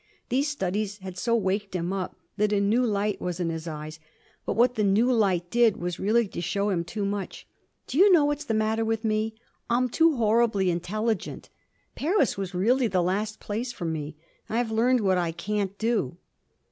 These studies had so waked him up that a new light was in his eyes; but what the new light did was really to show him too much. 'Do you know what's the matter with me? I'm too horribly intelligent. Paris was really the last place for me. I've learnt what I can't do.'